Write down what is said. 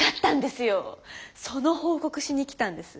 その報告しに来たんです。